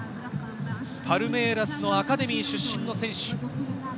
パルメイラスのアカデミー出身の選手。